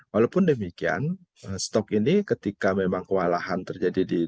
walaupun demikian stok ini ketika memang kewalahan terjadi di